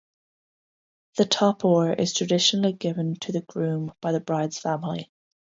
The topor is traditionally given to the groom by the bride's family.